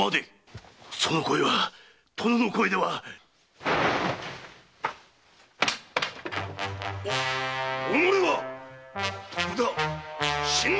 その声は殿の声では⁉おのれは徳田新之助！